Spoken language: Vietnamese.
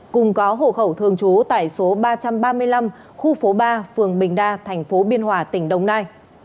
cùng có hộ khẩu thường trú tại số ba trăm ba mươi năm khu phố ba phường bình đa thành phố biên hòa tỉnh đồng nai